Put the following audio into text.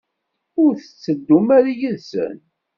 Ur tetteddum ara yid-sen?